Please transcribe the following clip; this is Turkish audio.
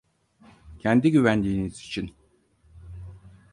Kendi güvenliğiniz için.